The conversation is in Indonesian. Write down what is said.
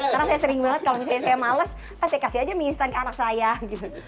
karena saya sering banget kalau misalnya saya males pasti kasih aja mie instan ke anak saya gitu